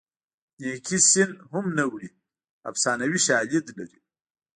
نیکي سین هم نه وړي افسانوي شالید لري